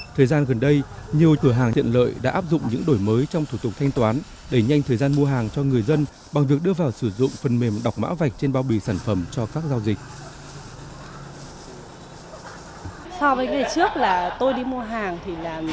thời gian gần đây nhiều cửa hàng tiện lợi đã áp dụng những đổi mới trong thủ tục thanh toán đẩy nhanh thời gian mua hàng cho người dân bằng việc đưa vào sử dụng phần mềm đọc mã vạch trên bao bì sản phẩm cho các giao dịch